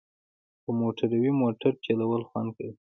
په موټروی موټر چلول خوند کوي